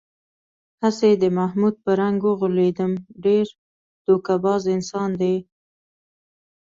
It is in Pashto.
هسې د محمود په رنگ و غولېدم، ډېر دوکه باز انسان دی.